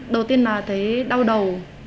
đầu tiên là thấy đau đầu